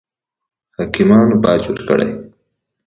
حاکمانو باج ورکړي.